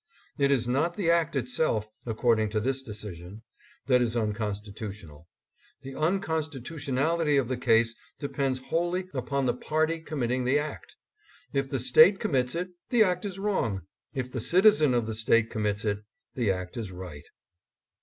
It is not the act itself, according to this decision, that is unconstitutional. The unconstitutionality of the case depends wholly upon the party committing the act. If the State commits it, the act is wrong; if the citizen of the State commits it, the act is right.